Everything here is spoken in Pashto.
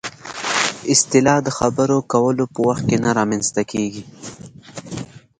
اصطلاح د خبرو کولو په وخت کې نه رامنځته کېږي